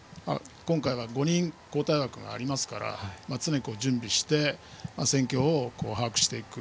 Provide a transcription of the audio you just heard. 今回は５人交代枠がありますから常に準備して戦況を把握していく。